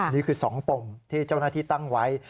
นี่คือ๒ปมที่เจ้าหน้าที่ตั้งไว้